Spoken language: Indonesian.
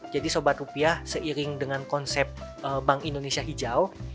jadi sobat rupiah seiring dengan konsep bank indonesia hijau